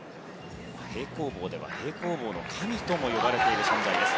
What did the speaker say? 平行棒では平行棒の神とも呼ばれている存在です。